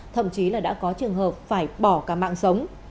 thậm chí là đã có trường hợp phải bỏ cả mạng sống